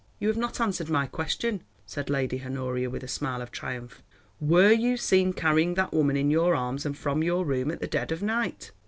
"You have not answered my question," said Lady Honoria with a smile of triumph. "Were you seen carrying that woman in your arms and from your room at the dead of night?